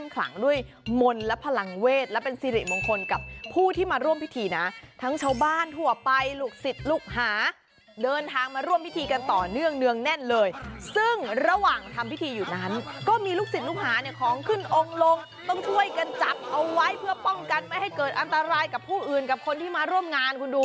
ขลังด้วยมนต์และพลังเวทและเป็นสิริมงคลกับผู้ที่มาร่วมพิธีนะทั้งชาวบ้านทั่วไปลูกศิษย์ลูกหาเดินทางมาร่วมพิธีกันต่อเนื่องเนืองแน่นเลยซึ่งระหว่างทำพิธีอยู่นั้นก็มีลูกศิษย์ลูกหาเนี่ยของขึ้นองค์ลงต้องช่วยกันจับเอาไว้เพื่อป้องกันไม่ให้เกิดอันตรายกับผู้อื่นกับคนที่มาร่วมงานคุณดู